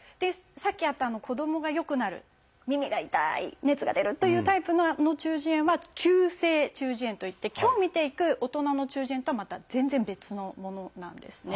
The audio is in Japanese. さっきあった子どもがよくなる耳が痛い熱が出るというタイプの中耳炎は「急性中耳炎」といって今日見ていく大人の中耳炎とはまた全然別のものなんですね。